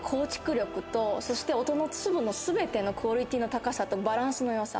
力とそして音の粒の全てのクオリティーの高さとバランスのよさ。